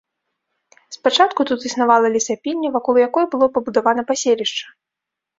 Спачатку тут існавала лесапільня, вакол якой было пабудавана паселішча.